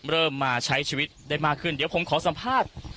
เริ่มมาใช้ชีวิตได้มากขึ้นเดี๋ยวผมขอสัมภาษณ์